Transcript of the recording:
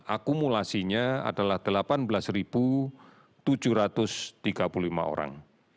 akumulasinya adalah delapan belas tujuh ratus tiga puluh lima orang